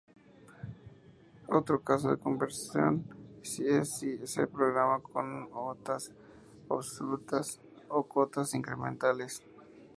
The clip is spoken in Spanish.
Otro caso de conversión es si se programa con cotas absolutas o cotas incrementales.